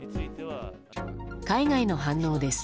海外の反応です。